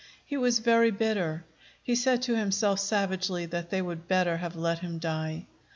He was very bitter. He said to himself savagely that they would better have let him die.